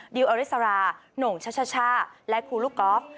ดิวอริสาราหนงชชช่าและครูลูกก๊อฟ